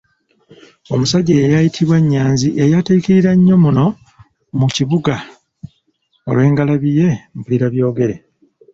Omusajja eyali ayiytibwa Nnyanzi yayatiikirira nnyo muno mu kibuga olw’engalabi ye Mpulirabyogere.